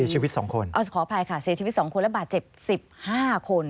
สีชีวิต๒คนค่ะสีชีวิต๒คนและบาดเจ็บ๑๕คน